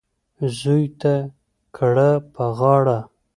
زوی ته کړه په غاړه